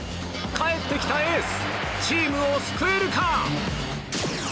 帰ってきたエースチームを救えるか？